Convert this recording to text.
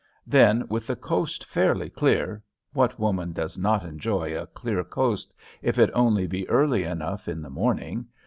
Then, with the coast fairly clear, what woman does not enjoy a clear coast, if it only be early enough in the morning?